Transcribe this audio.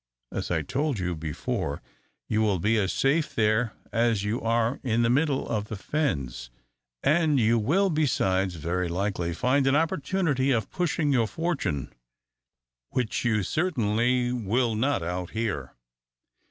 As I told you before, you will be as safe there as you are in the middle of the fens, and you will, besides, very likely find an opportunity of pushing your fortune, which you certainly will not out here."